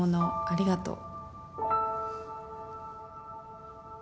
ありがとう。